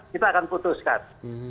kita akan putuskan